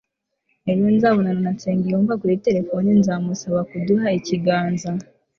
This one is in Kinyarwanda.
ejo nzabonana na nsengiyumva kuri terefone ndamusaba kuduha ikiganza